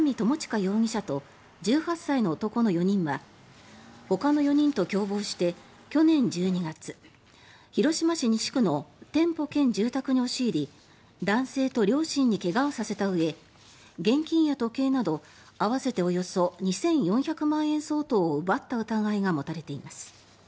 容疑者と１８歳の男の４人はほかの４人と共謀して去年１２月広島市西区の店舗兼住宅に押し入り男性と両親に怪我をさせたうえ現金や時計など合わせておよそ２４００万円相当を奪った疑いが持たれています。